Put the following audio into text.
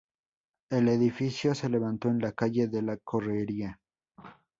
El edificio se levantó en la calle de la Correría.